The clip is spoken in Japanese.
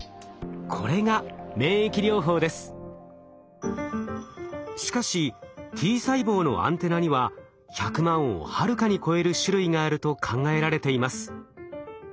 これがしかしＴ細胞のアンテナには１００万をはるかに超える種類があると考えられています。